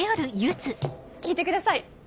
聞いてください！